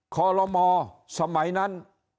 คอลอมอธุระหัวสมัยนั้น